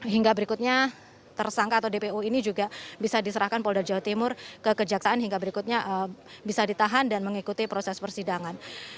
hingga berikutnya tersangka atau dpo ini juga bisa diserahkan polda jawa timur ke kejaksaan hingga berikutnya bisa ditahan dan mengikuti proses persidangan